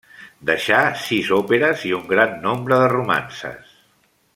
Deixà sis òperes i un gran nombre de romances.